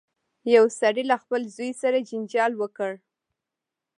یو سړي له خپل زوی سره جنجال وکړ.